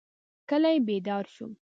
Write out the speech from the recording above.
کلی بیدار شو.